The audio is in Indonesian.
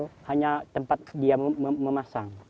itu hanya tempat dia memasang